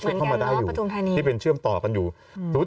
เหมือนกันเนอะประทุ่มธนียร์